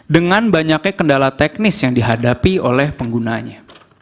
dengan banyaknya kendala teknis yang dihadapi oleh penggunanya